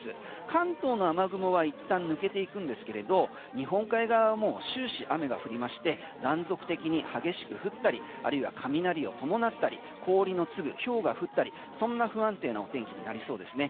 関東の雨雲はいったん抜けていくんですけれど日本海側はもう終始雨が降りまして断続的に激しく降ったりあるいは雷を伴ったり氷の粒、ひょうが降ったりそんな不安定なお天気になりそうですね。